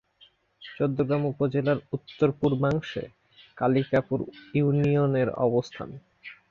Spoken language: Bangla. চৌদ্দগ্রাম উপজেলার উত্তর-পূর্বাংশে কালিকাপুর ইউনিয়নের অবস্থান।